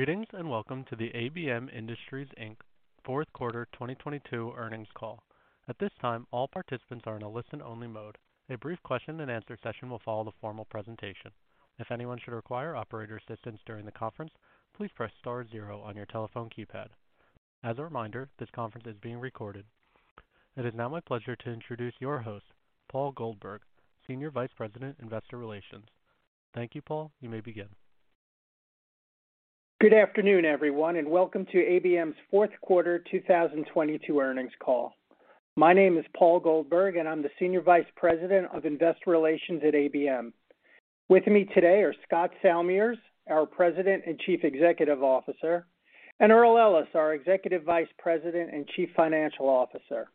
Greetings, and welcome to the ABM Industries Inc. fourth quarter 2022 earnings call. At this time, all participants are in a listen-only mode. A brief question-and-answer session will follow the formal presentation. If anyone should require operator assistance during the conference, please press star 0 on your telephone keypad. As a reminder, this conference is being recorded. It is now my pleasure to introduce your host, Paul Goldberg, Senior Vice President, Investor Relations. Thank you, Paul. You may begin. Good afternoon, everyone, welcome to ABM's fourth quarter 2022 earnings call. My name is Paul Goldberg, and I'm the Senior Vice President of Investor Relations at ABM. With me today are Scott Salmirs, our President and Chief Executive Officer, and Earl Ellis, our Executive Vice President and Chief Financial Officer.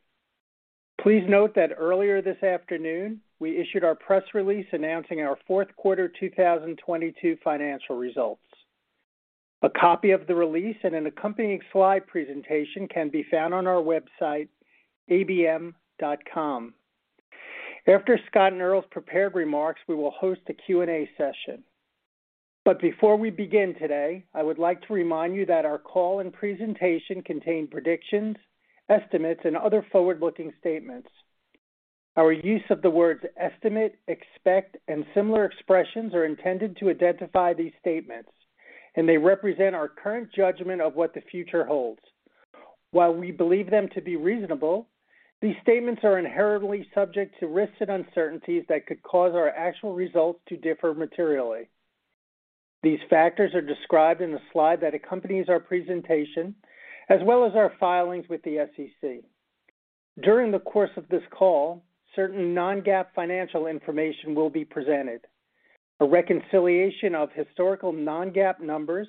Please note that earlier this afternoon, we issued our press release announcing our fourth quarter 2022 financial results. A copy of the release and an accompanying slide presentation can be found on our website, abm.com. After Scott and Earl's prepared remarks, we will host a Q&A session. Before we begin today, I would like to remind you that our call and presentation contain predictions, estimates, and other forward-looking statements. Our use of the words estimate, expect, and similar expressions are intended to identify these statements, and they represent our current judgment of what the future holds. While we believe them to be reasonable, these statements are inherently subject to risks and uncertainties that could cause our actual results to differ materially. These factors are described in the slide that accompanies our presentation, as well as our filings with the SEC. During the course of this call, certain non-GAAP financial information will be presented. A reconciliation of historical non-GAAP numbers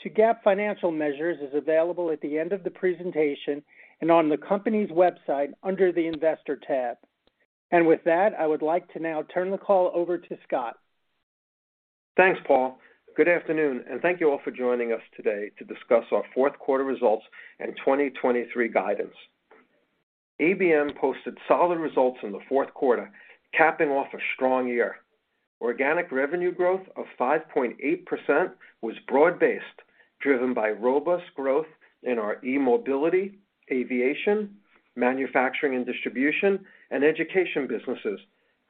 to GAAP financial measures is available at the end of the presentation and on the company's website under the Investor tab. With that, I would like to now turn the call over to Scott. Thanks, Paul. Good afternoon, and thank you all for joining us today to discuss our fourth quarter results and 2023 guidance. ABM posted solid results in the fourth quarter, capping off a strong year. Organic revenue growth of 5.8% was broad-based, driven by robust growth in our eMobility, aviation, manufacturing and distribution, and education businesses,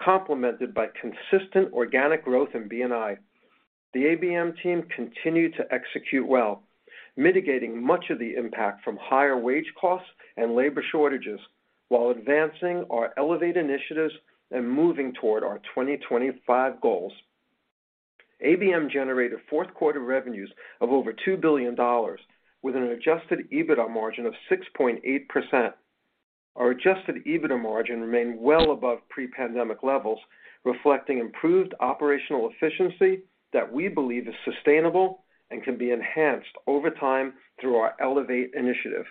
complemented by consistent organic growth in B&I. The ABM team continued to execute well, mitigating much of the impact from higher wage costs and labor shortages while advancing our ELEVATE initiatives and moving toward our 2025 goals. ABM generated fourth quarter revenues of over $2 billion with an adjusted EBITDA margin of 6.8%. Our adjusted EBITDA margin remained well above pre-pandemic levels, reflecting improved operational efficiency that we believe is sustainable and can be enhanced over time through our ELEVATE initiative.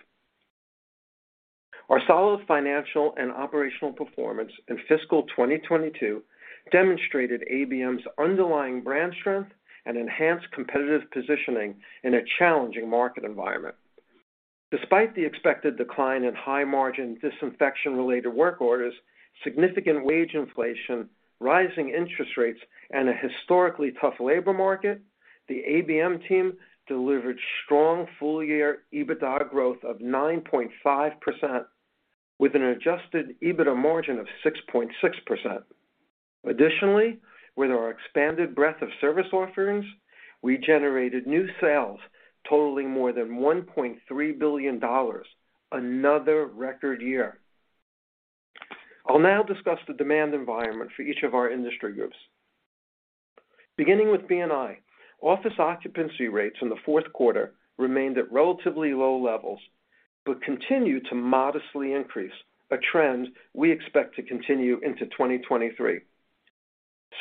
Our solid financial and operational performance in fiscal 2022 demonstrated ABM's underlying brand strength and enhanced competitive positioning in a challenging market environment. Despite the expected decline in high-margin disinfection-related work orders, significant wage inflation, rising interest rates, and a historically tough labor market, the ABM team delivered strong full-year EBITDA growth of 9.5% with an adjusted EBITDA margin of 6.6%. Additionally, with our expanded breadth of service offerings, we generated new sales totaling more than $1.3 billion, another record year. I'll now discuss the demand environment for each of our industry groups. Beginning with B&I, office occupancy rates in the fourth quarter remained at relatively low levels, but continued to modestly increase, a trend we expect to continue into 2023.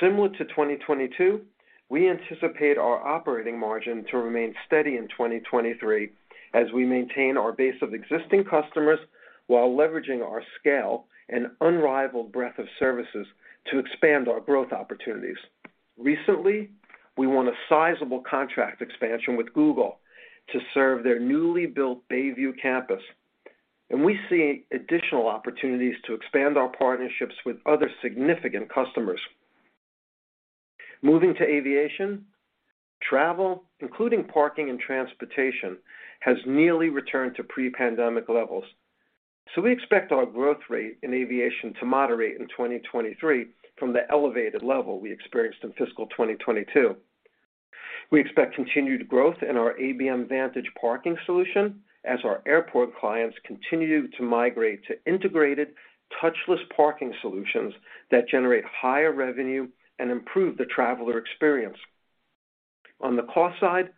Similar to 2022, we anticipate our operating margin to remain steady in 2023 as we maintain our base of existing customers while leveraging our scale and unrivaled breadth of services to expand our growth opportunities. Recently, we won a sizable contract expansion with Google to serve their newly built Bay View campus, and we see additional opportunities to expand our partnerships with other significant customers. Moving to aviation, travel, including parking and transportation, has nearly returned to pre-pandemic levels. We expect our growth rate in aviation to moderate in 2023 from the elevated level we experienced in fiscal 2022. We expect continued growth in our ABM Vantage parking solution as our airport clients continue to migrate to integrated touchless parking solutions that generate higher revenue and improve the traveler experience. On the cost side,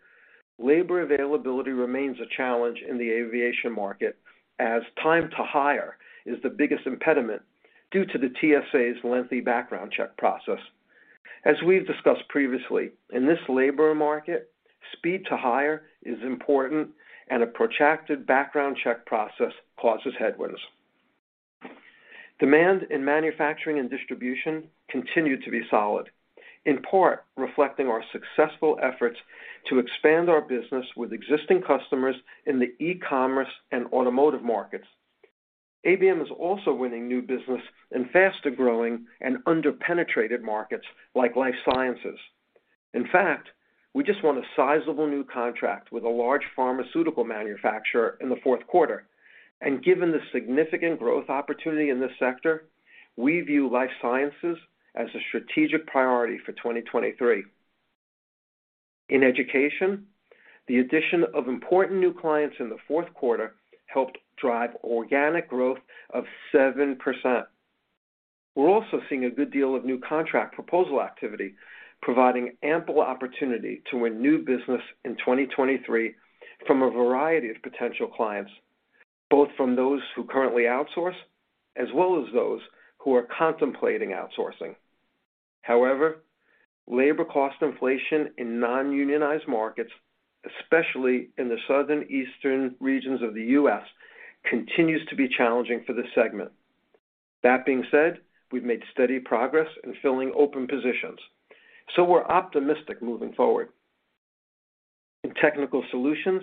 labor availability remains a challenge in the aviation market as time to hire is the biggest impediment due to the TSA's lengthy background check process. As we've discussed previously, in this labor market, speed to hire is important and a protracted background check process causes headwinds. Demand in manufacturing and distribution continued to be solid, in part reflecting our successful efforts to expand our business with existing customers in the e-commerce and automotive markets. ABM is also winning new business in faster growing and under-penetrated markets like life sciences. In fact, we just won a sizable new contract with a large pharmaceutical manufacturer in the fourth quarter. Given the significant growth opportunity in this sector, we view life sciences as a strategic priority for 2023. In education, the addition of important new clients in the fourth quarter helped drive organic growth of 7%. We're also seeing a good deal of new contract proposal activity, providing ample opportunity to win new business in 2023 from a variety of potential clients, both from those who currently outsource as well as those who are contemplating outsourcing. Labor cost inflation in non-unionized markets, especially in the southeastern regions of the U.S., continues to be challenging for this segment. That being said, we've made steady progress in filling open positions, we're optimistic moving forward. In Technical Solutions,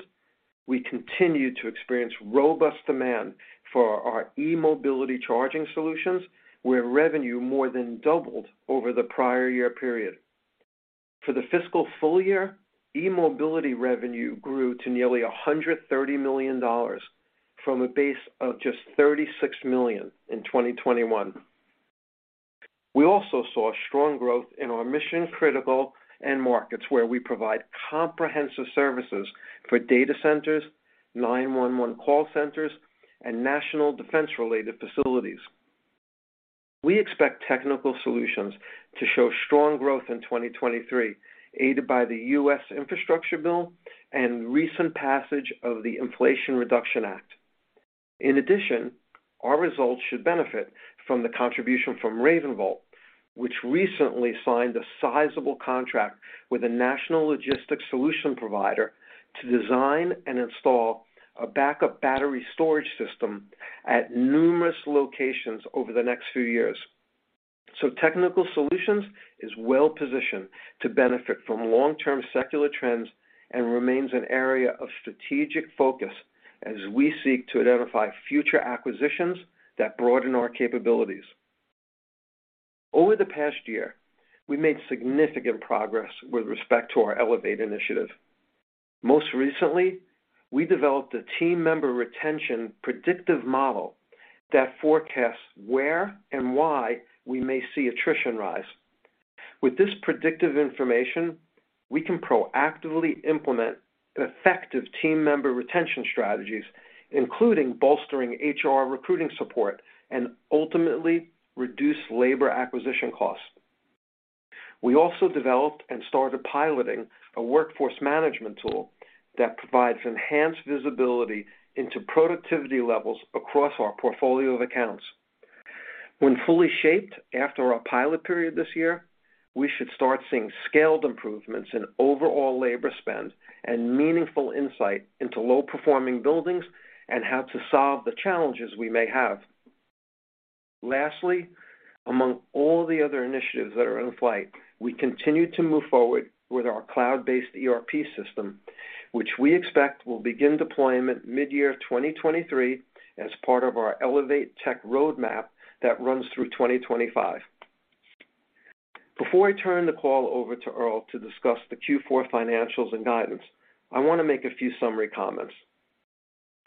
we continue to experience robust demand for our eMobility charging solutions, where revenue more than doubled over the prior year period. For the fiscal full year, eMobility revenue grew to nearly $130 million from a base of just $36 million in 2021. We also saw strong growth in our mission-critical end markets where we provide comprehensive services for data centers, 911 call centers, and national defense-related facilities. We expect technical solutions to show strong growth in 2023, aided by the U.S. infrastructure bill and recent passage of the Inflation Reduction Act. In addition, our results should benefit from the contribution from RavenVolt, which recently signed a sizable contract with a national logistics solution provider to design and install a backup battery storage system at numerous locations over the next few years. Technical solutions is well-positioned to benefit from long-term secular trends and remains an area of strategic focus as we seek to identify future acquisitions that broaden our capabilities. Over the past year, we made significant progress with respect to our ELEVATE initiative. Most recently, we developed a team member retention predictive model that forecasts where and why we may see attrition rise. With this predictive information, we can proactively implement effective team member retention strategies, including bolstering HR recruiting support and ultimately reduce labor acquisition costs. We also developed and started piloting a workforce management tool that provides enhanced visibility into productivity levels across our portfolio of accounts. When fully shaped after our pilot period this year, we should start seeing scaled improvements in overall labor spend and meaningful insight into low-performing buildings and how to solve the challenges we may have. Lastly, among all the other initiatives that are in flight, we continue to move forward with our cloud-based ERP system, which we expect will begin deployment mid-year 2023 as part of our ELEVATE Tech roadmap that runs through 2025. Before I turn the call over to Earl to discuss the Q4 financials and guidance, I want to make a few summary comments.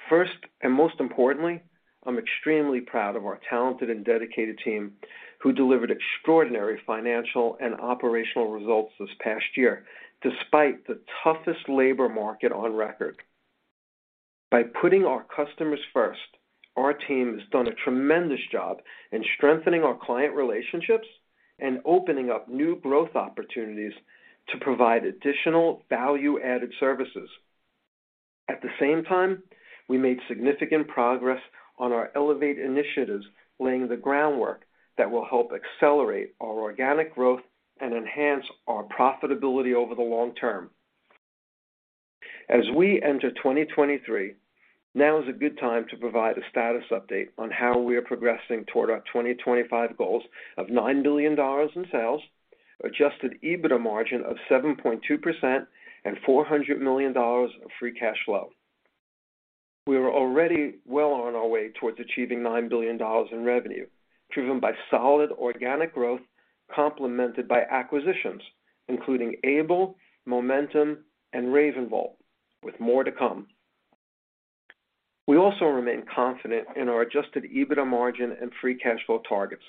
First, most importantly, I'm extremely proud of our talented and dedicated team who delivered extraordinary financial and operational results this past year, despite the toughest labor market on record. By putting our customers first, our team has done a tremendous job in strengthening our client relationships and opening up new growth opportunities to provide additional value-added services. At the same time, we made significant progress on our ELEVATE initiatives, laying the groundwork that will help accelerate our organic growth and enhance our profitability over the long term. As we enter 2023, now is a good time to provide a status update on how we are progressing toward our 2025 goals of $9 billion in sales, adjusted EBITDA margin of 7.2%, and $400 million of free cash flow. We are already well on our way towards achieving $9 billion in revenue, driven by solid organic growth complemented by acquisitions, including Able, Momentum, and RavenVolt, with more to come. We also remain confident in our adjusted EBITDA margin and free cash flow targets.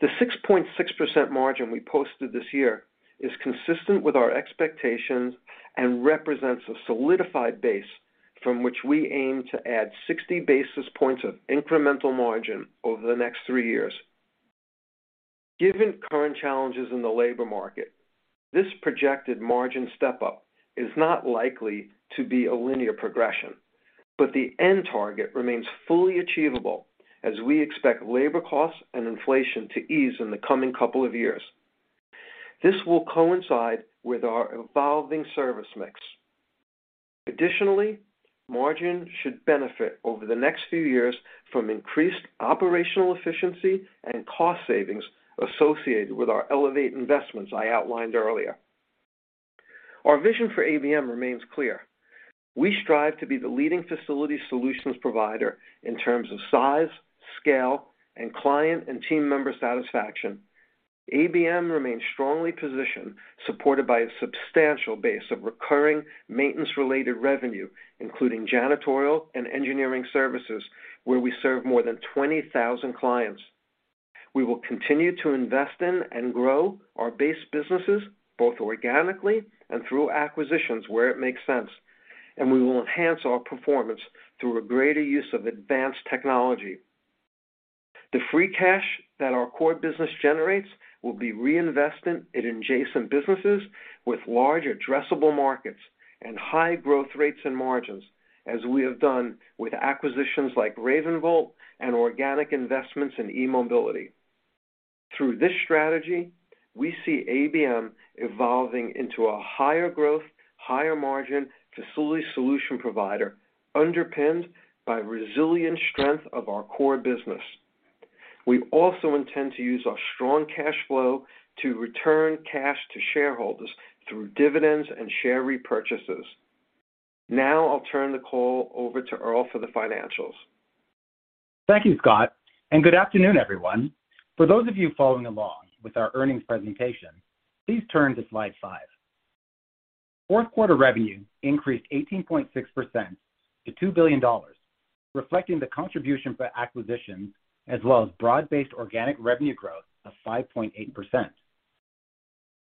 The 6.6% margin we posted this year is consistent with our expectations and represents a solidified base from which we aim to add 60 basis points of incremental margin over the next three years. Given current challenges in the labor market, this projected margin step-up is not likely to be a linear progression, but the end target remains fully achievable as we expect labor costs and inflation to ease in the coming couple of years. This will coincide with our evolving service mix. Additionally, margin should benefit over the next few years from increased operational efficiency and cost savings associated with our ELEVATE investments I outlined earlier. Our vision for ABM remains clear. We strive to be the leading facility solutions provider in terms of size, scale, and client and team member satisfaction. ABM remains strongly positioned, supported by a substantial base of recurring maintenance-related revenue, including janitorial and engineering services, where we serve more than 20,000 clients. We will continue to invest in and grow our base businesses, both organically and through acquisitions where it makes sense. We will enhance our performance through a greater use of advanced technology. The free cash that our core business generates will be reinvested in adjacent businesses with large addressable markets and high growth rates and margins, as we have done with acquisitions like RavenVolt and organic investments in eMobility. Through this strategy, we see ABM evolving into a higher growth, higher margin facility solution provider underpinned by resilient strength of our core business. We also intend to use our strong cash flow to return cash to shareholders through dividends and share repurchases. I'll turn the call over to Earl for the financials. Thank you, Scott. Good afternoon, everyone. For those of you following along with our earnings presentation, please turn to slide five. Fourth quarter revenue increased 18.6% to $2 billion, reflecting the contribution for acquisitions as well as broad-based organic revenue growth of 5.8%.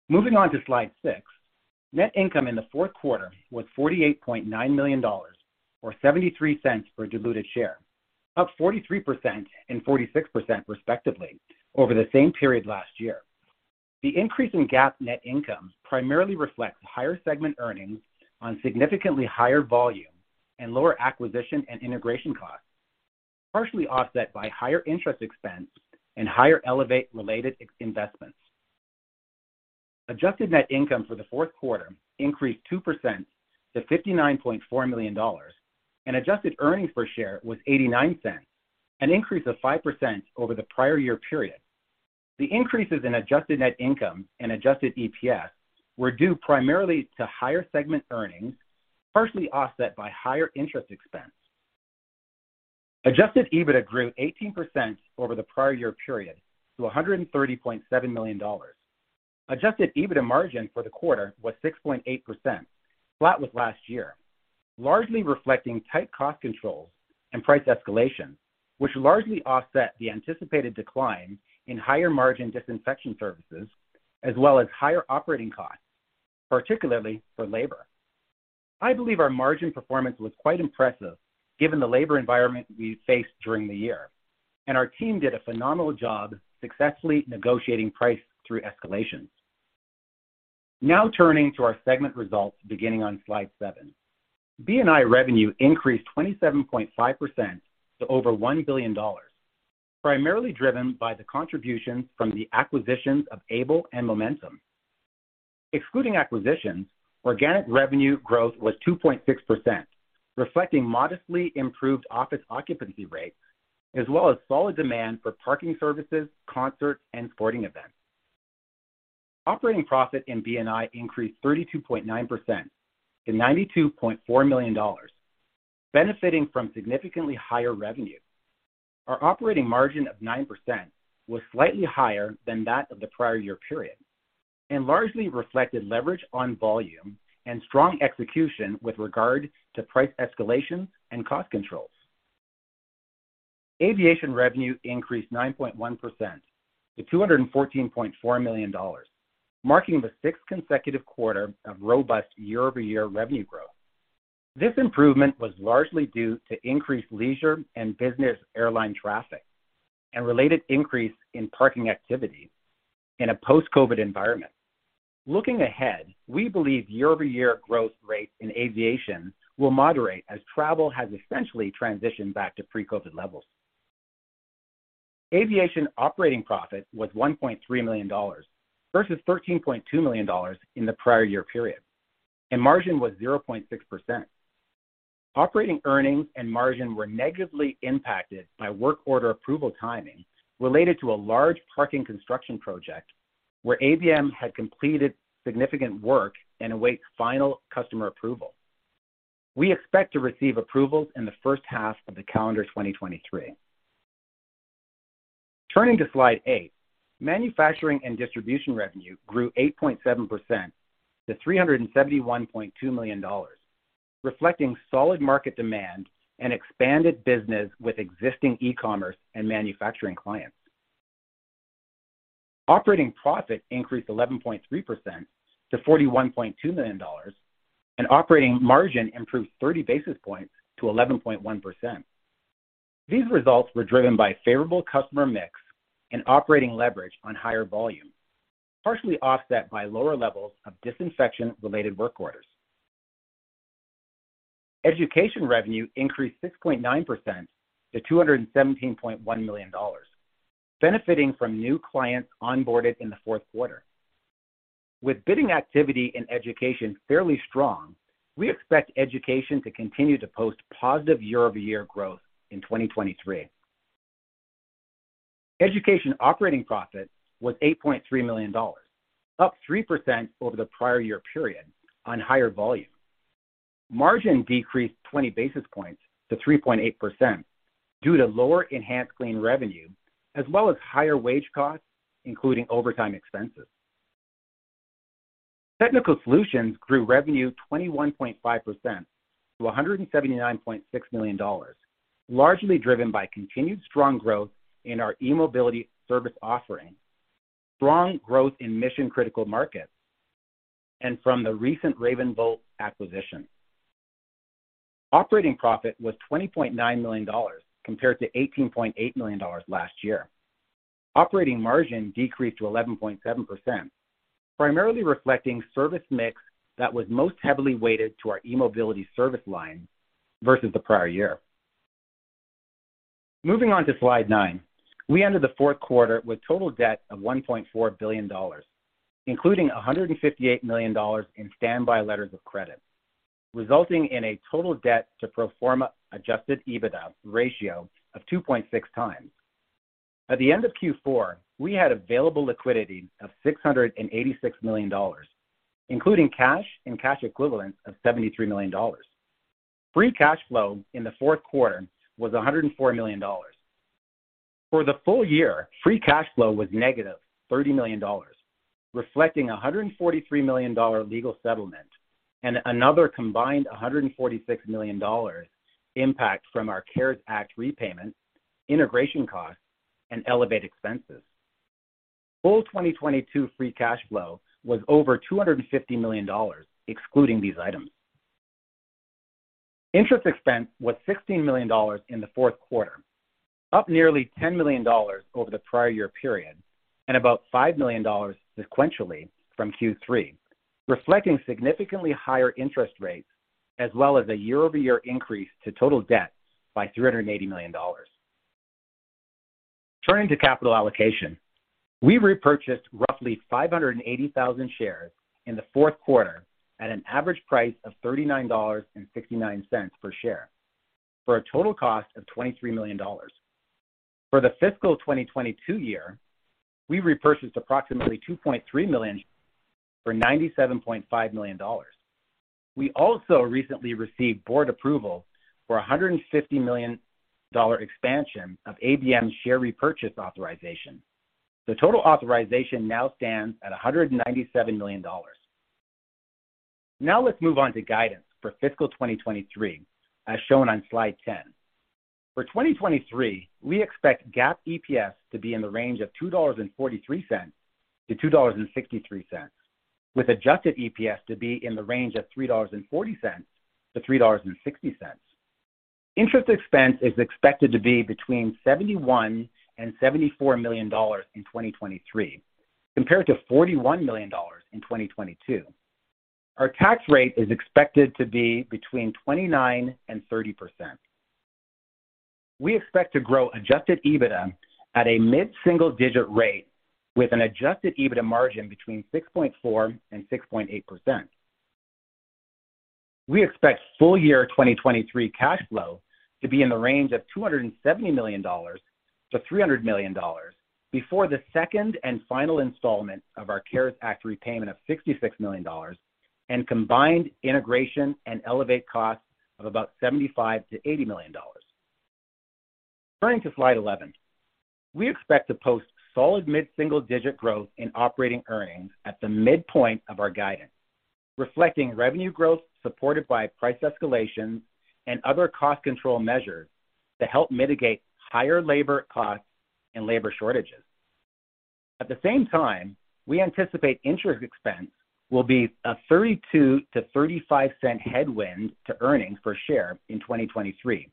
Moving on to slide six. Net income in the fourth quarter was $48.9 million, or $0.73 per diluted share, up 43% and 46% respectively over the same period last year. The increase in GAAP net income primarily reflects higher segment earnings on significantly higher volume and lower acquisition and integration costs, partially offset by higher interest expense and higher ELEVATE-related investments. Adjusted net income for the fourth quarter increased 2% to $59.4 million, and adjusted earnings per share was $0.89, an increase of 5% over the prior year period. The increases in adjusted net income and adjusted EPS were due primarily to higher segment earnings, partially offset by higher interest expense. Adjusted EBITDA grew 18% over the prior year period to $130.7 million. Adjusted EBITDA margin for the quarter was 6.8%, flat with last year, largely reflecting tight cost controls and price escalation, which largely offset the anticipated decline in higher margin disinfection services, as well as higher operating costs, particularly for labor. I believe our margin performance was quite impressive given the labor environment we faced during the year, and our team did a phenomenal job successfully negotiating price through escalations. Now turning to our segment results beginning on slide seven. B&I revenue increased 27.5% to over $1 billion, primarily driven by the contributions from the acquisitions of Able and Momentum. Excluding acquisitions, organic revenue growth was 2.6%, reflecting modestly improved office occupancy rates as well as solid demand for parking services, concerts and sporting events. Operating profit in B&I increased 32.9% to $92.4 million, benefiting from significantly higher revenue. Our operating margin of 9% was slightly higher than that of the prior year period and largely reflected leverage on volume and strong execution with regard to price escalations and cost controls. Aviation revenue increased 9.1% to $214.4 million, marking the 6th consecutive quarter of robust year-over-year revenue growth. This improvement was largely due to increased leisure and business airline traffic and related increase in parking activity in a post-COVID environment. Looking ahead, we believe year-over-year growth rates in aviation will moderate as travel has essentially transitioned back to pre-COVID levels. Aviation operating profit was $1.3 million versus $13.2 million in the prior year period. Margin was 0.6%. Operating earnings and margin were negatively impacted by work order approval timing related to a large parking construction project where ABM had completed significant work and awaits final customer approval. We expect to receive approvals in the first half of the calendar 2023. Turning to slide eight. Manufacturing and distribution revenue grew 8.7% to $371.2 million, reflecting solid market demand and expanded business with existing e-commerce and manufacturing clients. Operating profit increased 11.3% to $41.2 million. Operating margin improved 30 basis points to 11.1%. These results were driven by favorable customer mix and operating leverage on higher volume, partially offset by lower levels of disinfection-related work orders. Education revenue increased 6.9% to $217.1 million, benefiting from new clients onboarded in the fourth quarter. With bidding activity in education fairly strong, we expect education to continue to post positive year-over-year growth in 2023. Education operating profit was $8.3 million, up 3% over the prior year period on higher volume. Margin decreased 20 basis points to 3.8% due to lower enhanced clean revenue as well as higher wage costs, including overtime expenses. Technical solutions grew revenue 21.5% to $179.6 million, largely driven by continued strong growth in our eMobility service offering, strong growth in mission-critical markets, and from the recent RavenVolt acquisition. Operating profit was $20.9 million compared to $18.8 million last year. Operating margin decreased to 11.7%, primarily reflecting service mix that was most heavily weighted to our eMobility service line versus the prior year. Moving on to slide nine. We ended the fourth quarter with total debt of $1.4 billion, including $158 million in standby letters of credit, resulting in a total debt to pro forma adjusted EBITDA ratio of 2.6 times. At the end of Q4, we had available liquidity of $686 million, including cash and cash equivalents of $73 million. Free cash flow in the fourth quarter was $104 million. For the full year, free cash flow was negative $30 million, reflecting a $143 million legal settlement and another combined $146 million impact from our CARES Act repayment, integration costs, and ELEVATE expenses. Full 2022 free cash flow was over $250 million excluding these items. Interest expense was $16 million in the fourth quarter, up nearly $10 million over the prior year period and about $5 million sequentially from Q3, reflecting significantly higher interest rates as well as a year-over-year increase to total debt by $380 million. Turning to capital allocation. We repurchased roughly 580,000 shares in the fourth quarter at an average price of $39.69 per share for a total cost of $23 million. For the fiscal 2022 year, we repurchased approximately 2.3 million for $97.5 million. We also recently received board approval for a $150 million expansion of ABM share repurchase authorization. The total authorization now stands at $197 million. Let's move on to guidance for fiscal 2023, as shown on slide 10. For 2023, we expect GAAP EPS to be in the range of $2.43-$2.63, with adjusted EPS to be in the range of $3.40-$3.60. Interest expense is expected to be between $71 million-$74 million in 2023 compared to $41 million in 2022. Our tax rate is expected to be between 29%-30%. We expect to grow adjusted EBITDA at a mid-single digit rate with an adjusted EBITDA margin between 6.4%-6.8%. We expect full year 2023 cash flow to be in the range of $270 million-$300 million before the second and final installment of our CARES Act repayment of $66 million and combined integration and ELEVATE costs of about $75 million-$80 million. Turning to slide 11. We expect to post solid mid-single digit growth in operating earnings at the midpoint of our guidance, reflecting revenue growth supported by price escalations and other cost control measures to help mitigate higher labor costs and labor shortages. At the same time, we anticipate interest expense will be a $0.32-$0.35 headwind to earnings per share in 2023,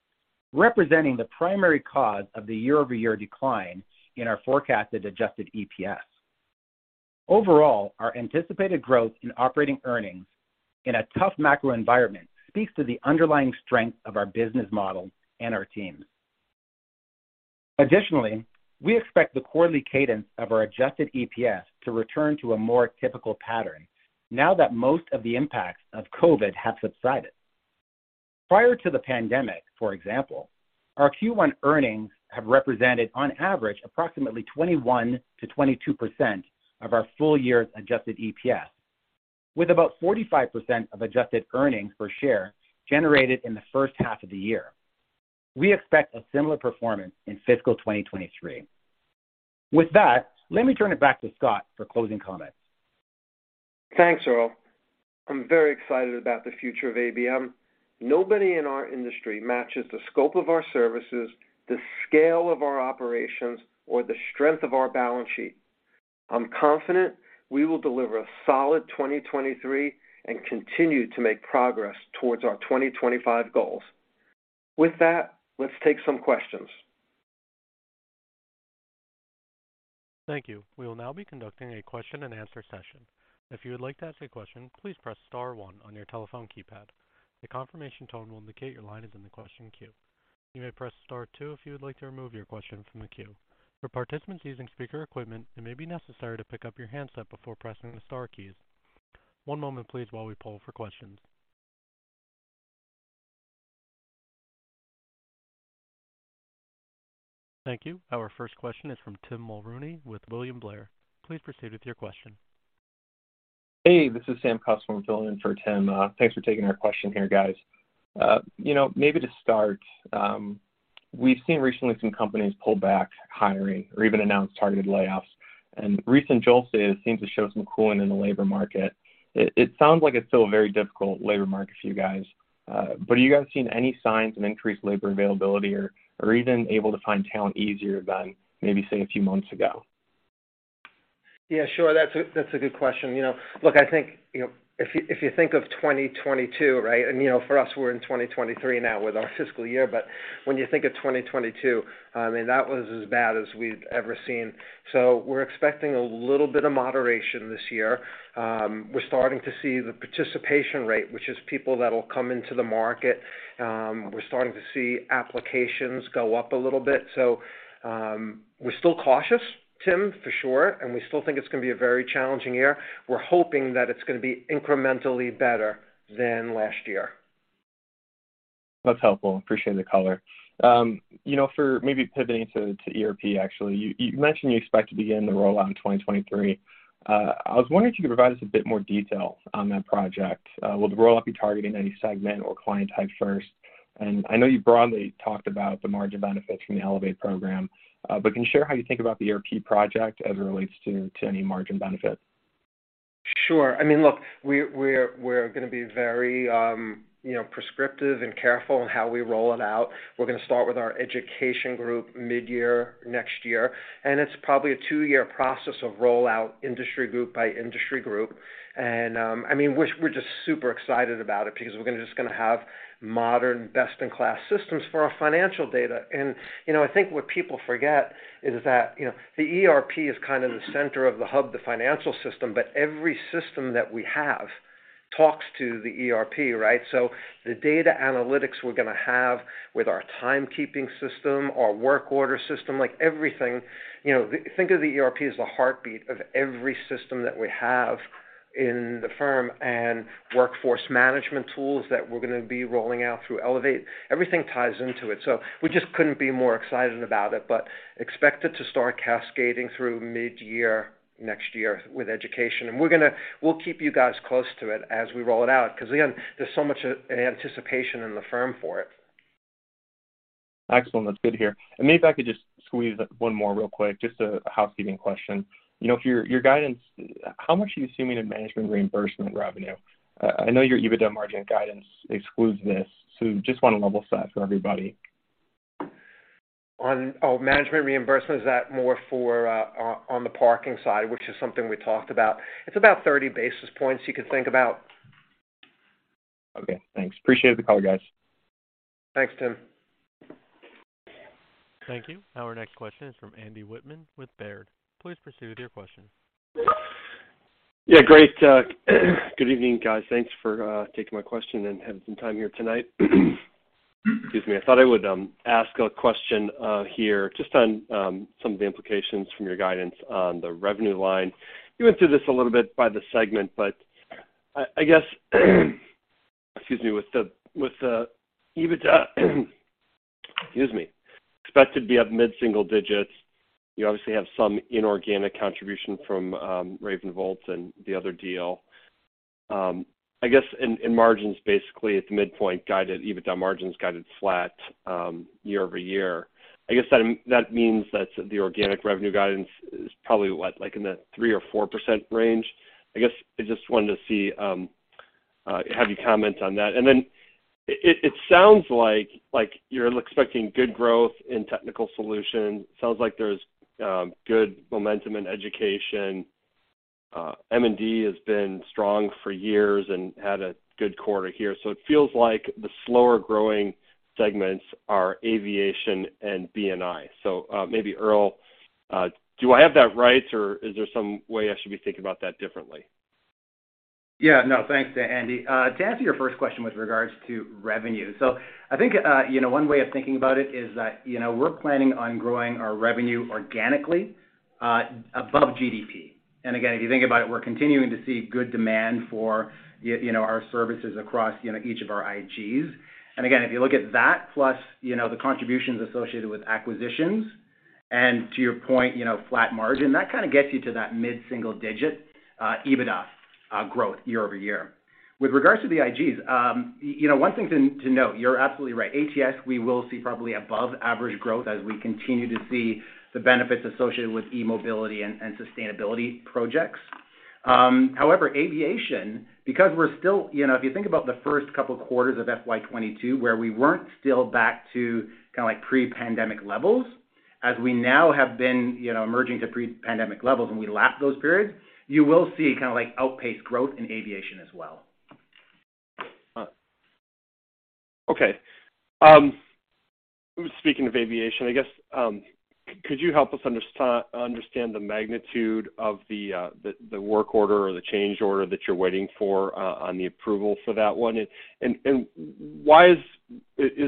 representing the primary cause of the year-over-year decline in our forecasted adjusted EPS. Overall, our anticipated growth in operating earnings in a tough macro environment speaks to the underlying strength of our business model and our team. Additionally, we expect the quarterly cadence of our adjusted EPS to return to a more typical pattern now that most of the impacts of COVID have subsided. Prior to the pandemic, for example, our Q1 earnings have represented on average approximately 21%-22% of our full year's adjusted EPS, with about 45% of adjusted earnings per share generated in the first half of the year. We expect a similar performance in fiscal 2023. With that, let me turn it back to Scott for closing comments. Thanks, Earl. I'm very excited about the future of ABM. Nobody in our industry matches the scope of our services, the scale of our operations, or the strength of our balance sheet. I'm confident we will deliver a solid 2023 and continue to make progress towards our 2025 goals. With that, let's take some questions. Thank you. We will now be conducting a question and answer session. If you would like to ask a question, please press star one on your telephone keypad. A confirmation tone will indicate your line is in the question queue. You may press star two if you would like to remove your question from the queue. For participants using speaker equipment, it may be necessary to pick up your handset before pressing the star keys. One moment please while we poll for questions. Thank you. Our first question is from Tim Mulrooney with William Blair. Please proceed with your question. Hey, this is Sam Kusswurm from filling in for Tim Mulrooney. Thanks for taking our question here, guys. You know, maybe to start, we've seen recently some companies pull back hiring or even announce targeted layoffs. Recent JOLTS data seems to show some cooling in the labor market. It sounds like it's still a very difficult labor market for you guys, but are you guys seeing any signs of increased labor availability or even able to find talent easier than maybe, say, a few months ago? Yeah, sure. That's a, that's a good question. You know, look, I think, you know, if you, if you think of 2022, right? You know, for us, we're in 2023 now with our fiscal year. When you think of 2022, I mean, that was as bad as we've ever seen. We're expecting a little bit of moderation this year. We're starting to see the participation rate, which is people that'll come into the market. We're starting to see applications go up a little bit. We're still cautious, Tim, for sure, and we still think it's gonna be a very challenging year. We're hoping that it's gonna be incrementally better than last year. That's helpful. Appreciate the color. You know, for maybe pivoting to ERP actually. You mentioned you expect to begin the rollout in 2023. I was wondering if you could provide us a bit more detail on that project. Will the rollout be targeting any segment or client type first? I know you broadly talked about the margin benefits from the ELEVATE program, but can you share how you think about the ERP project as it relates to any margin benefits? Sure. I mean, look, we're gonna be very, you know, prescriptive and careful in how we roll it out. We're gonna start with our education group mid-year next year, and it's probably a two-year process of rollout industry group by industry group. I mean, we're just super excited about it because just gonna have modern best-in-class systems for our financial data. You know, I think what people forget is that, you know, the ERP is kind of the center of the hub, the financial system, but every system that we have talks to the ERP, right? The data analytics we're gonna have with our timekeeping system, our work order system, like everything, you know, think of the ERP as the heartbeat of every system that we have in the firm and workforce management tools that we're gonna be rolling out through ELEVATE. Everything ties into it. We just couldn't be more excited about it. Expect it to start cascading through mid-year next year with education. We'll keep you guys close to it as we roll it out because, again, there's so much anticipation in the firm for it. Excellent. That's good to hear. Maybe if I could just squeeze one more real quick, just a housekeeping question. You know, for your guidance, how much are you assuming in management reimbursement revenue? I know your EBITDA margin guidance excludes this, just wanna level set for everybody. Management reimbursement, is that more for, on the parking side, which is something we talked about? It's about 30 basis points you could think about. Okay, thanks. Appreciate the color, guys. Thanks, Tim. Thank you. Our next question is from Andy Wittmann with Baird. Please proceed with your question. Great. Good evening, guys. Thanks for taking my question and having some time here tonight. Excuse me. I thought I would ask a question here just on some of the implications from your guidance on the revenue line. You went through this a little bit by the segment, but I guess, excuse me, with the EBITDA, excuse me, expected to be up mid-single digits. You obviously have some inorganic contribution from RavenVolt and the other deal. I guess in margins, basically at the midpoint EBITDA margins guided flat year-over-year. I guess that means that the organic revenue guidance is probably, what, like in the 3% or 4% range. I guess I just wanted to see, have you comment on that. It sounds like you're expecting good growth in technical solutions. Sounds like there's good momentum in education. M&D has been strong for years and had a good quarter here. It feels like the slower-growing segments are aviation and B&I. Maybe Earl, do I have that right, or is there some way I should be thinking about that differently? No, thanks, Andy. To answer your first question with regards to revenue. I think, you know, one way of thinking about it is that, you know, we're planning on growing our revenue organically, above GDP. Again, if you think about it, we're continuing to see good demand for you know, our services across, you know, each of our IGs. Again, if you look at that plus, you know, the contributions associated with acquisitions and to your point, you know, flat margin, that kind of gets you to that mid-single digit, EBITDA, growth year-over-year. With regards to the IGs, you know, one thing to note, you're absolutely right. ATS, we will see probably above average growth as we continue to see the benefits associated with eMobility and sustainability projects. Aviation, because we're still, you know, if you think about the first couple quarters of FY 2022, where we weren't still back to kinda like pre-pandemic levels. As we now have been, you know, emerging to pre-pandemic levels and we lap those periods, you will see kinda like outpaced growth in aviation as well. Okay. Speaking of aviation, I guess, could you help us understand the magnitude of the, the work order or the change order that you're waiting for, on the approval for that one? Is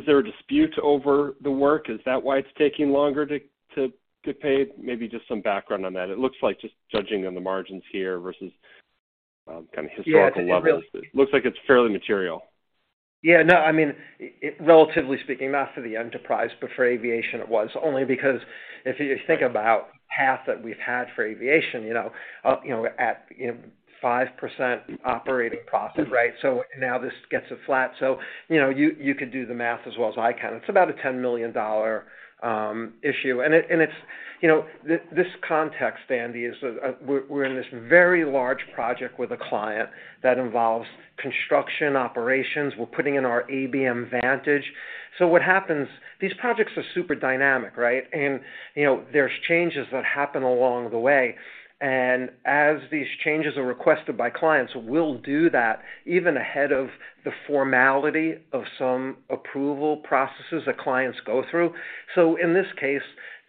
there a dispute over the work? Is that why it's taking longer to pay? Maybe just some background on that. It looks like just judging on the margins here versus kind of historical levels. It looks like it's fairly material. Yeah. No, I mean, relatively speaking, not for the enterprise, but for aviation it was. Only because if you think about half that we've had for aviation, you know, at 5% operating profit, right? Now this gets it flat. You know, you could do the math as well as I can. It's about a $10 million issue. It's, you know, this context, Andy, is we're in this very large project with a client that involves construction operations. We're putting in our ABM Vantage. What happens, these projects are super dynamic, right? You know, there's changes that happen along the way. As these changes are requested by clients, we'll do that even ahead of the formality of some approval processes that clients go through. In this case,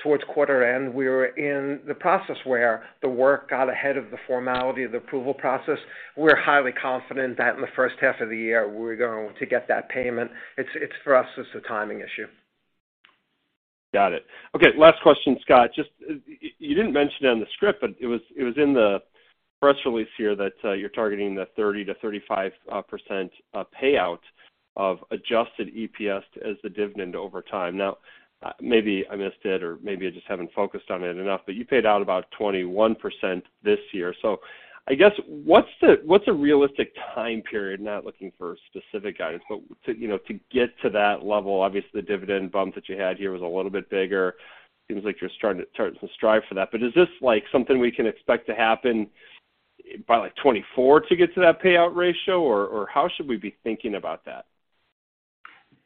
towards quarter end, we're in the process where the work got ahead of the formality of the approval process. We're highly confident that in the first half of the year, we're going to get that payment. It's for us, it's a timing issue. Got it. Okay, last question, Scott. Just, you didn't mention it on the script, but it was in the press release here that you're targeting the 30%-35% payout of adjusted EPS as the dividend over time. Now, maybe I missed it or maybe I just haven't focused on it enough, but you paid out about 21% this year. I guess what's a realistic time period, not looking for specific guidance, but to, you know, to get to that level. Obviously, the dividend bump that you had here was a little bit bigger. Seems like you're starting to strive for that. Is this, like, something we can expect to happen by, like, 2024 to get to that payout ratio? Or how should we be thinking about that?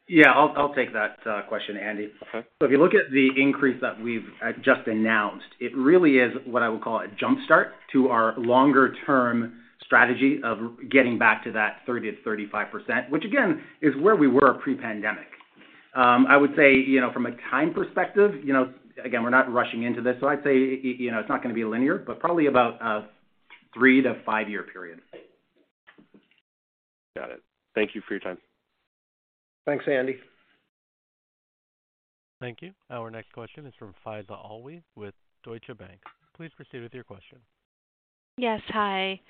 Yeah. I'll take that question, Andy. Okay. If you look at the increase that we've just announced, it really is what I would call a jump-start to our longer term strategy of getting back to that 30%-35%, which again, is where we were pre-pandemic. I would say, you know, from a time perspective, you know, again, we're not rushing into this, so I'd say, you know, it's not gonna be linear, but probably about a 3-5 year period. Got it. Thank you for your time. Thanks, Andy. Thank you. Our next question is from Faiza Alwy with Deutsche Bank. Please proceed with your question. Yes. Hi.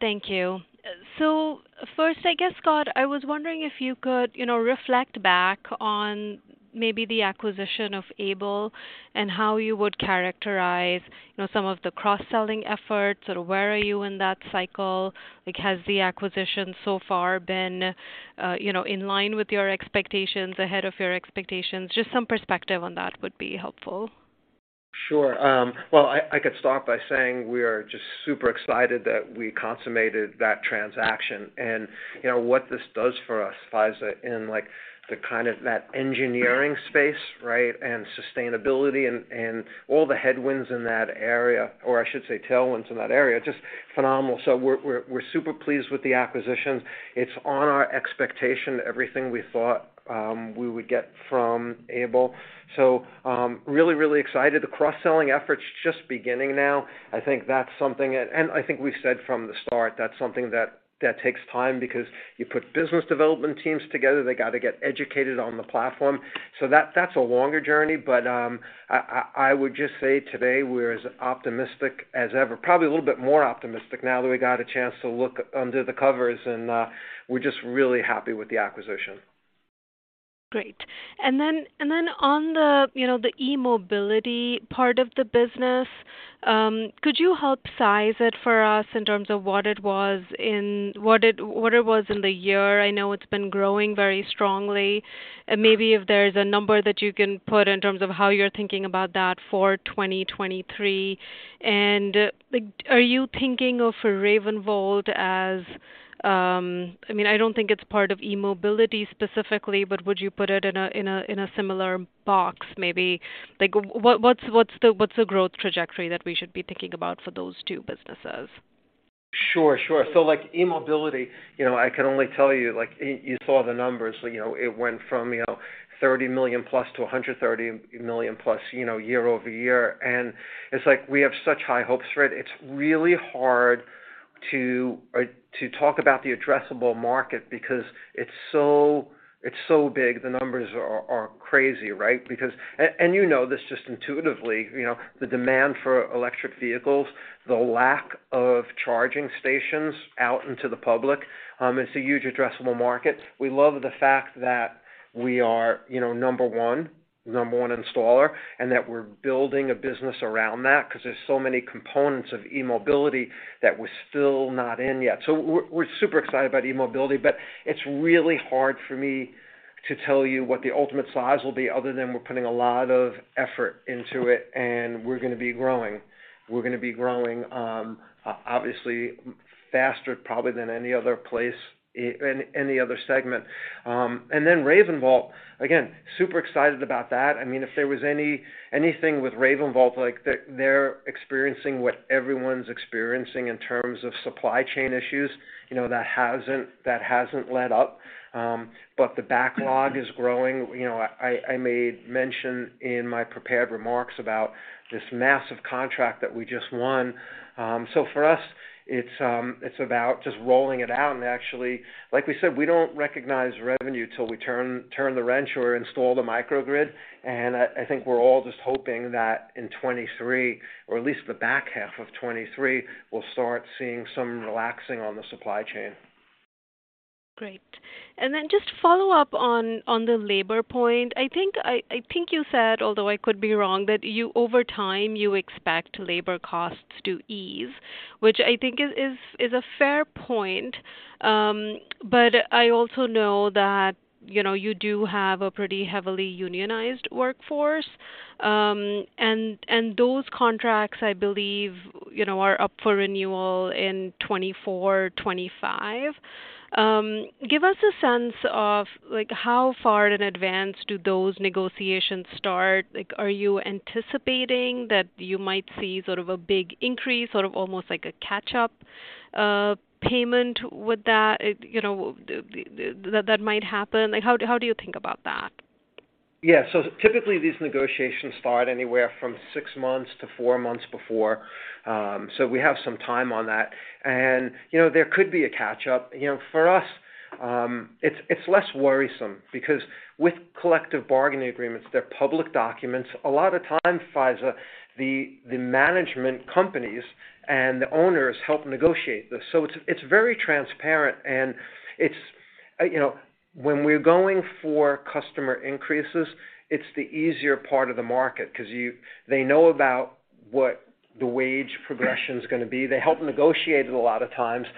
thank you. First, I guess, Scott, I was wondering if you could, you know, reflect back on maybe the acquisition of ABLE and how you would characterize, you know, some of the cross-selling efforts or where are you in that cycle? Like, has the acquisition so far been, you know, in line with your expectations, ahead of your expectations? Just some perspective on that would be helpful. Sure. Well, I could start by saying we are just super excited that we consummated that transaction. You know, what this does for us, Faiza, in like the kind of that engineering space, right, and sustainability and all the headwinds in that area, or I should say tailwinds in that area, just phenomenal. We're super pleased with the acquisition. It's on our expectation, everything we thought we would get from Able. Really excited. The cross-selling effort's just beginning now. I think that's something... I think we've said from the start, that's something that takes time because you put business development teams together, they got to get educated on the platform. That's a longer journey. I would just say today we're as optimistic as ever. Probably a little bit more optimistic now that we got a chance to look under the covers, and we're just really happy with the acquisition. Great. Then on the, you know, the eMobility part of the business, could you help size it for us in terms of what it was in the year? I know it's been growing very strongly. Maybe if there's a number that you can put in terms of how you're thinking about that for 2023. Like, are you thinking of RavenVolt as, I mean, I don't think it's part of eMobility specifically, but would you put it in a similar box maybe? Like, what's the growth trajectory that we should be thinking about for those two businesses? Sure, sure. Like, eMobility, you know, I can only tell you, like, you saw the numbers. You know, it went from, you know, $30 million+ to $130 million+, you know, year-over-year. It's like we have such high hopes for it. It's really hard to talk about the addressable market because it's so big. The numbers are crazy, right? Because. You know this just intuitively, you know, the demand for electric vehicles, the lack of charging stations out into the public, it's a huge addressable market. We love the fact that we are, you know, number one installer, and that we're building a business around that 'cause there's so many components of eMobility that we're still not in yet. We're super excited about eMobility, but it's really hard for me to tell you what the ultimate size will be other than we're putting a lot of effort into it, and we're gonna be growing. We're gonna be growing, obviously faster probably than any other place, any other segment. RavenVolt, again, super excited about that. I mean, if there was anything with RavenVolt, like, they're experiencing what everyone's experiencing in terms of supply chain issues, you know, that hasn't let up. The backlog is growing. You know, I made mention in my prepared remarks about this massive contract that we just won. For us, it's about just rolling it out. Actually, like we said, we don't recognize revenue till we turn the wrench or install the microgrid. I think we're all just hoping that in 2023, or at least the back half of 2023, we'll start seeing some relaxing on the supply chain. Great. Just follow up on the labor point. I think you said, although I could be wrong, that you over time you expect labor costs to ease, which I think is a fair point. But I also know that, you know, you do have a pretty heavily unionized workforce. And, and those contracts, I believe, you know, are up for renewal in 2024, 2025. Give us a sense of like, how far in advance do those negotiations start? Like, are you anticipating that you might see sort of a big increase or of almost like a catch-up payment with that? You know, that might happen. Like how do you think about that? Typically these negotiations start anywhere from six months to four months before. We have some time on that. You know, there could be a catch up. You know, for us, it's less worrisome because with collective bargaining agreements, they're public documents. A lot of time, Faiza, the management companies and the owners help negotiate this. It's, it's very transparent and it's. You know, when we're going for customer increases, it's the easier part of the market 'cause they know about what the wage progression is gonna be. They help negotiate it a lot of times.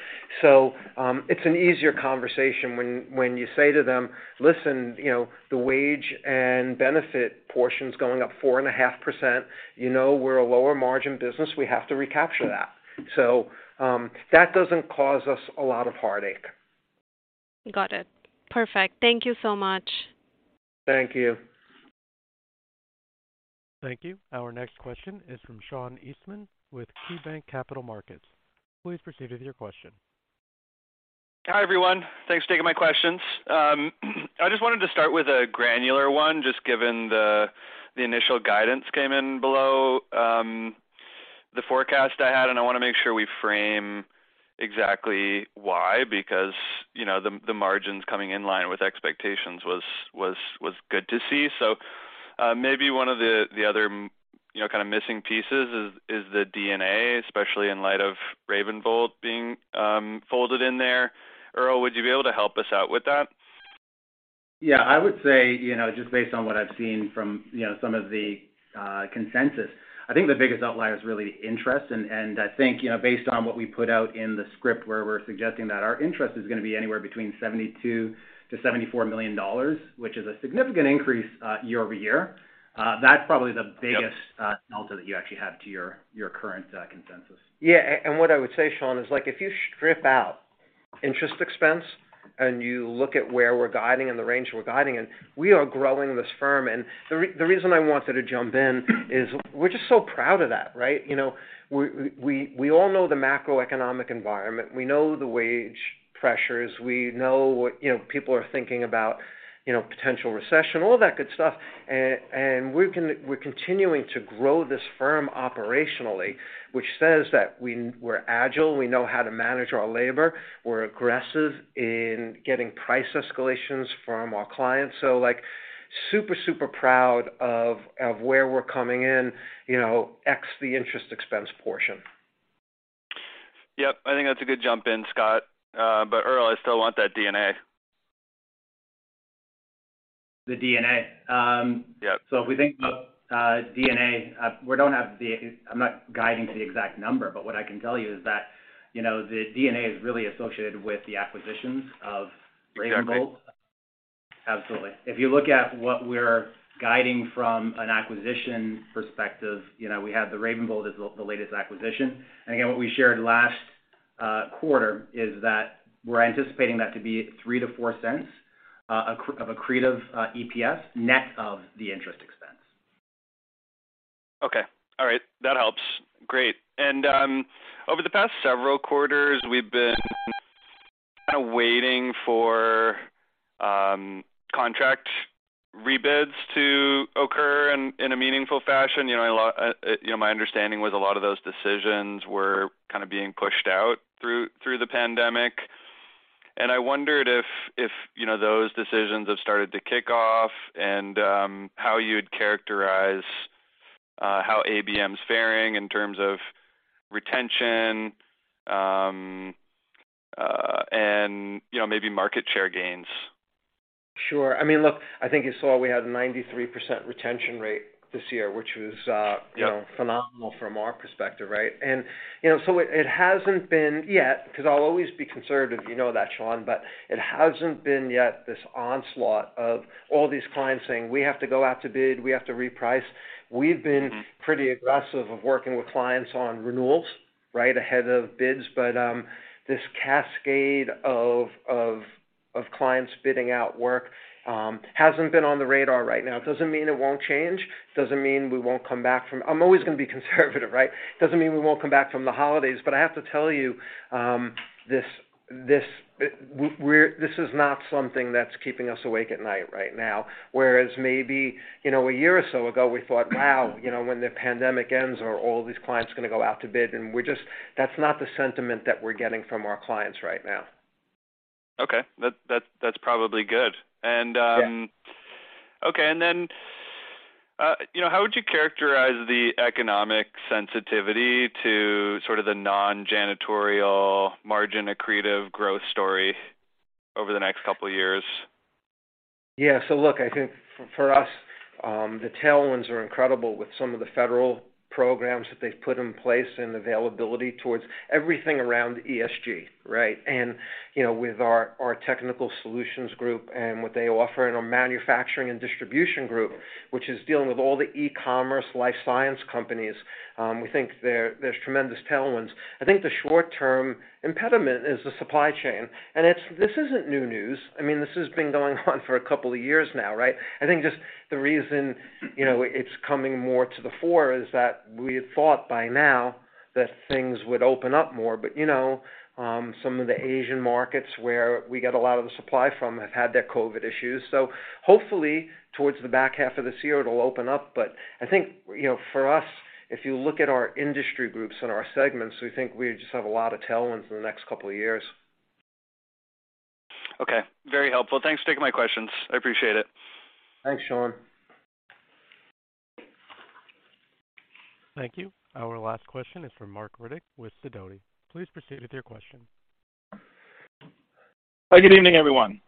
It's an easier conversation when you say to them, "Listen, you know, the wage and benefit portion is going up 4.5%. You know, we're a lower margin business, we have to recapture that." That doesn't cause us a lot of heartache. Got it. Perfect. Thank you so much. Thank you. Thank you. Our next question is from Sean Eastman with KeyBanc Capital Markets. Please proceed with your question. Hi, everyone. Thanks for taking my questions. I just wanted to start with a granular one, just given the initial guidance came in below, the forecast I had, and I wanna make sure we frame exactly why, because, you know, the margins coming in line with expectations was good to see. Maybe one of the other, you know, kind of missing pieces is the D&A, especially in light of RavenVolt being folded in there. Earl, would you be able to help us out with that? Yeah, I would say, you know, just based on what I've seen from, you know, some of the consensus. I think the biggest outlier is really interest. I think, you know, based on what we put out in the script where we're suggesting that our interest is gonna be anywhere between $72 million-$74 million, which is a significant increase year-over-year. That's probably the biggest- Yep. delta that you actually have to your current, consensus. Yeah. What I would say, Sean, is like if you strip out interest expense and you look at where we're guiding and the range we're guiding in, we are growing this firm. The reason I wanted to jump in is we're just so proud of that, right? You know, we all know the macroeconomic environment, we know the wage pressures. You know, people are thinking about, you know, potential recession, all that good stuff. We're continuing to grow this firm operationally, which says that we're agile, we know how to manage our labor, we're aggressive in getting price escalations from our clients. Like, super proud of where we're coming in, you know, ex the interest expense portion. Yep. I think that's a good jump in, Scott. Earl, I still want that D&A. The D&A? Yeah. If we think about D&A, I'm not guiding to the exact number, but what I can tell you is that, you know, the D&A is really associated with the acquisitions of RavenVolt. Okay. Absolutely. If you look at what we're guiding from an acquisition perspective, you know, we have the RavenVolt as the latest acquisition. Again, what we shared last quarter is that we're anticipating that to be $0.03-$0.04 of accretive EPS net of the interest expense. Okay. All right. That helps. Great. Over the past several quarters, we've been kind of waiting for contract rebids to occur in a meaningful fashion. You know, a lot, you know, my understanding was a lot of those decisions were kind of being pushed out through the pandemic. I wondered if, you know, those decisions have started to kick off and how you'd characterize how ABM's faring in terms of retention, and, you know, maybe market share gains. Sure. I mean, look, I think you saw we had a 93% retention rate this year, which was. Yeah. you know, phenomenal from our perspective, right? You know, so it hasn't been yet, 'cause I'll always be conservative, you know that, Sean, but it hasn't been yet this onslaught of all these clients saying, "We have to go out to bid, we have to reprice. Mm-hmm. We've been pretty aggressive of working with clients on renewals, right, ahead of bids. This cascade of clients bidding out work hasn't been on the radar right now. It doesn't mean it won't change. It doesn't mean we won't come back. I'm always gonna be conservative, right? It doesn't mean we won't come back from the holidays. I have to tell you, this is not something that's keeping us awake at night right now. Whereas maybe, you know, a year or so ago, we thought, "Wow, you know, when the pandemic ends, are all these clients gonna go out to bid?" That's not the sentiment that we're getting from our clients right now. Okay. That's probably good. Yeah. Okay. You know, how would you characterize the economic sensitivity to sort of the non-janitorial margin accretive growth story over the next couple years? Look, I think for us, the tailwinds are incredible with some of the federal programs that they've put in place and availability towards everything around ESG, right? You know, with our Technical Solutions Group and what they offer in our Manufacturing & Distribution Group, which is dealing with all the e-commerce life science companies, we think there's tremendous tailwinds. I think the short-term impediment is the supply chain, and this isn't new news. This has been going on for a couple of years now, right? I think just the reason, you know, it's coming more to the fore is that we had thought by now that things would open up more. You know, some of the Asian markets where we get a lot of the supply from have had their COVID issues. Hopefully towards the back half of this year, it'll open up. I think, you know, for us, if you look at our industry groups and our segments, we think we just have a lot of tailwinds for the next couple of years. Okay. Very helpful. Thanks for taking my questions. I appreciate it. Thanks, Sean. Thank you. Our last question is from Marc Riddick with Sidoti. Please proceed with your question. Hi. Good evening, everyone.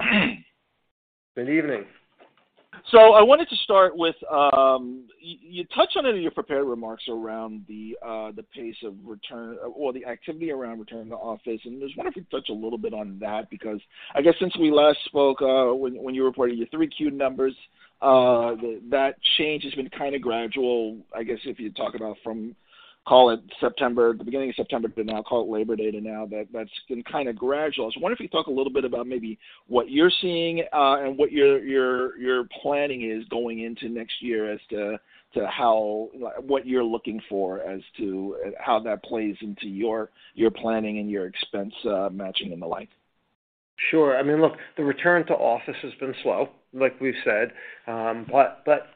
Good evening. I wanted to start with, you touched on it in your prepared remarks around the pace of return or the activity around return to office, and I just wonder if you'd touch a little bit on that because I guess since we last spoke, when you reported your 3Q numbers, that change has been kind of gradual. I guess if you talk about from, call it September, the beginning of September to now, call it Labor Day to now, that's been kind of gradual. I wonder if you'd talk a little bit about maybe what you're seeing, and what your planning is going into next year as to how what you're looking for as to how that plays into your planning and your expense matching and the like. Sure. I mean, look, the return to office has been slow, like we've said. But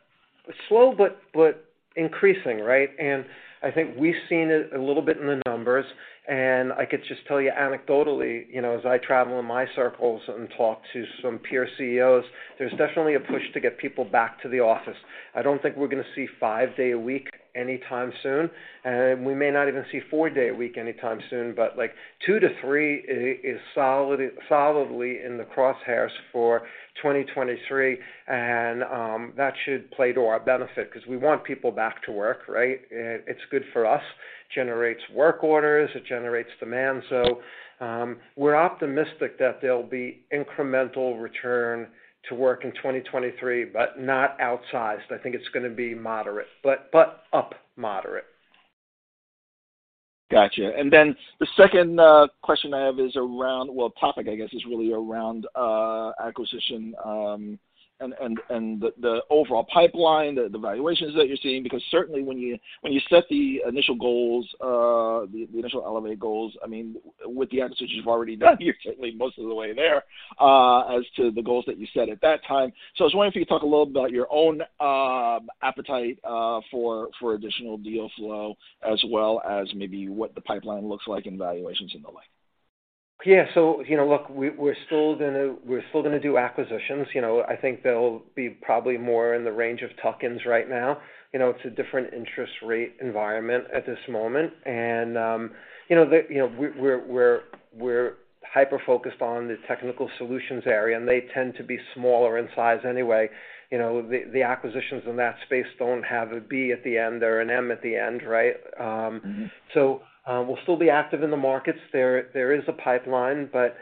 slow but increasing, right? I think we've seen it a little bit in the numbers, and I could just tell you anecdotally, you know, as I travel in my circles and talk to some peer CEOs, there's definitely a push to get people back to the office. I don't think we're gonna see five day a week anytime soon, and we may not even see four day a week anytime soon. Like, 2-3 is solidly in the crosshairs for 2023, and that should play to our benefit 'cause we want people back to work, right? It's good for us. Generates work orders, it generates demand. We're optimistic that there'll be incremental return to work in 2023, but not outsized. I think it's gonna be moderate, but up moderate. Gotcha. Then the second question I have is around... well, topic, I guess, is really around acquisition, and the overall pipeline, the valuations that you're seeing because certainly when you, when you set the initial goals, the initial ELEVATE goals, I mean, with the acquisitions you've already done, you're certainly most of the way there, as to the goals that you set at that time. I was wondering if you could talk a little about your own appetite, for additional deal flow as well as maybe what the pipeline looks like and valuations and the like. Yeah. You know, look, we're still gonna do acquisitions. You know, I think they'll be probably more in the range of tuck-ins right now. You know, it's a different interest rate environment at this moment, we're hyper-focused on the technical solutions area, and they tend to be smaller in size anyway. You know, the acquisitions in that space don't have a B at the end or an M at the end, right? Mm-hmm. we'll still be active in the markets. There is a pipeline, but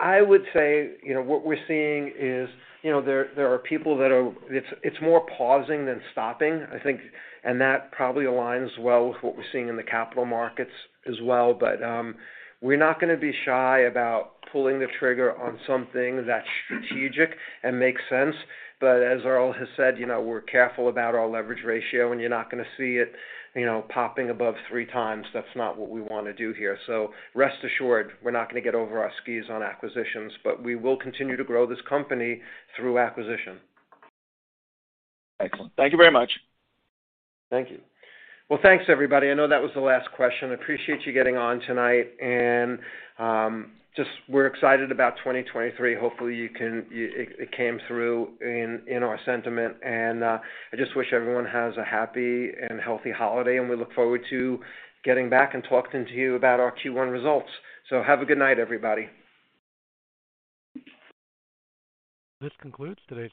I would say, you know, what we're seeing is, you know, there are people that are It's more pausing than stopping, I think, and that probably aligns well with what we're seeing in the capital markets as well. we're not gonna be shy about pulling the trigger on something that's strategic and makes sense. as Earl has said, you know, we're careful about our leverage ratio, and you're not gonna see it, you know, popping above three times. That's not what we wanna do here. rest assured, we're not gonna get over our skis on acquisitions, but we will continue to grow this company through acquisition. Excellent. Thank you very much. Thank you. Well, thanks, everybody. I know that was the last question. I appreciate you getting on tonight and just we're excited about 2023. Hopefully, it came through in our sentiment and I just wish everyone has a happy and healthy holiday, and we look forward to getting back and talking to you about our Q1 results. Have a good night, everybody. This concludes today's conference call.